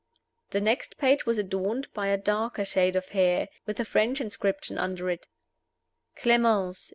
The next page was adorned by a darker shade of hair, with a French inscription under it: "Clemence.